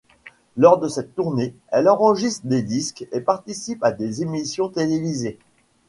Lors de cette tournée, elle enregistre des disques et participe à des émissions télévisées.